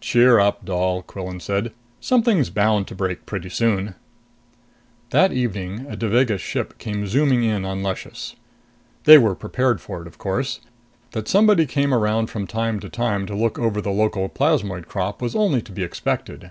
"Cheer up, Doll!" Quillan said. "Something's bound to break pretty soon." That evening, a Devagas ship came zooming in on Luscious. They were prepared for it, of course. That somebody came round from time to time to look over the local plasmoid crop was only to be expected.